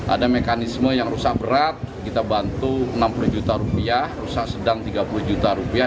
ada mekanisme yang rusak berat kita bantu enam puluh juta rupiah rusak sedang tiga puluh juta rupiah